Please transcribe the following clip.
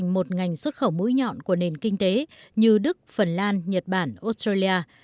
giáo dục trở thành một ngành xuất khẩu mũi nhọn của nền kinh tế như đức phần lan nhật bản australia